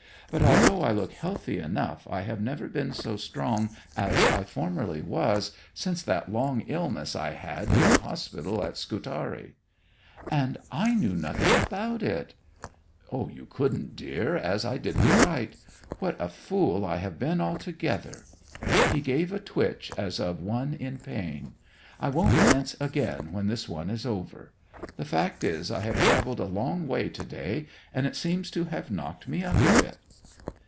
But although I look healthy enough I have never been so strong as I formerly was, since that long illness I had in the hospital at Scutari.' 'And I knew nothing about it!' 'You couldn't, dear, as I didn't write. What a fool I have been altogether!' He gave a twitch, as of one in pain. 'I won't dance again when this one is over. The fact is I have travelled a long way to day, and it seems to have knocked me up a bit.'